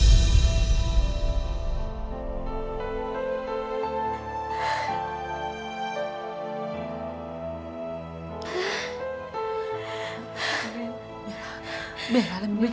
janganlah kering itulah alim